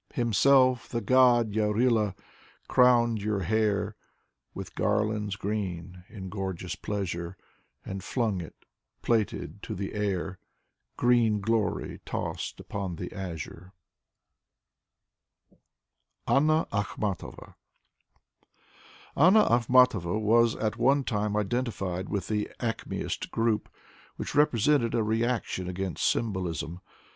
Himself, the god Yarila ^ crowned your hair With garlands green in gorgeous pleasure, And flung it, plaited, to the air: Green glory tossed upon the azure. ^The Russian Pan. ^The Russian Dionysos. Anna Akhmatova Anna Akhmatova was at one time identified with the Acmeitt group, which represented a reaction against t3rm holism.